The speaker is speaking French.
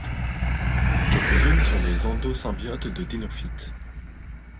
Quelques-unes sont des endosymbiotes de Dinophytes.